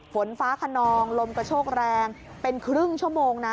ฝนฟ้าขนองลมกระโชกแรงเป็นครึ่งชั่วโมงนะ